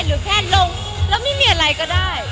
หรือแค่ลงแล้วไม่มีอะไรก็ได้